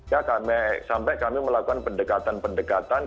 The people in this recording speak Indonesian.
ya sampai kami melakukan pendekatan pendekatan